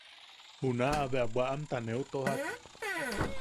Junaʼa bea bwaʼamta neu tojak.